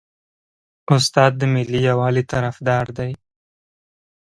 استاد د ملي یووالي طرفدار دی.